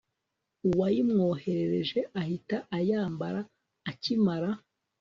uwayimwoherereje ahita ayambara akimara